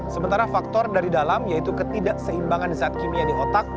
sementara faktor dari dalam yaitu ketidakseimbangan zat kimia di otak